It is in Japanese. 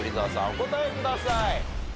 お答えください。